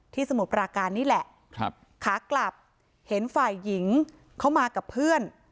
สมุทรปราการนี่แหละครับขากลับเห็นฝ่ายหญิงเขามากับเพื่อน